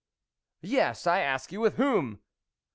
" Yes, I ask you with whom